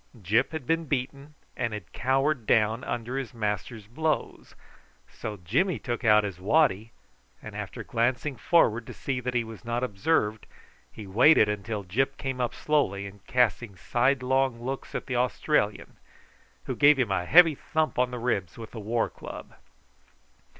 Gyp had been beaten, and had cowered down under his master's blows, so Jimmy took out his waddy, and after glancing forward to see that he was not observed, he waited until Gyp came up slowly, and casting sidelong looks at the Australian, who gave him a heavy thump on the ribs with the war club.